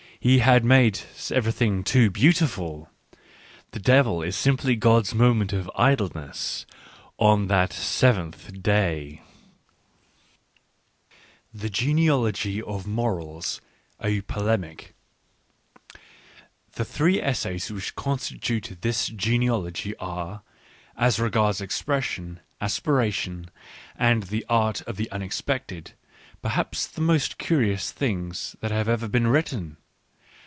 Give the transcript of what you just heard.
... He had made everything too beautiful. ... The devil is simply God's moment of idleness, on that seventh day. " The Genealogy of Morals : A Polemic" The three essays which constitute this genealogy are, as regards expression, aspiration, and the art Digitized by Google WHY I WRITE SUCH EXCELLENT BOOKS 117 of the unexpected, perhaps the most curious things that have ever been written.